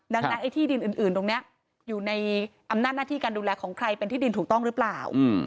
ดังนั้นไอ้ที่ดินอื่นตรงนี้อยู่ในอำนาจหน้าที่การดูแลของใครเป็นที่ดินถูกต้องหรือเปล่า